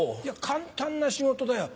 簡単な仕事だよ